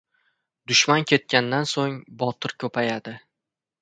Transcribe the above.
• Dushman ketgandan so‘ng botir ko‘payadi.